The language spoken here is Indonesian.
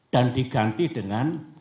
dan diganti dengan